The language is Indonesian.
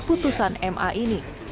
putusan ma ini